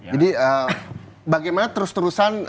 jadi bagaimana terus terusan